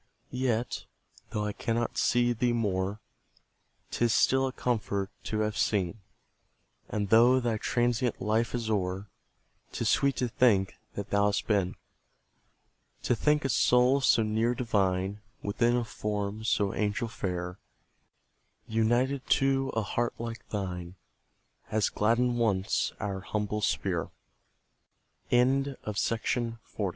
Yet, though I cannot see thee more, 'Tis still a comfort to have seen; And though thy transient life is o'er, 'Tis sweet to think that thou hast been; To think a soul so near divine, Within a form so angel fair, United to a heart like thine, Has gladdened once our humble sphere. THE ARBOUR. I'll rest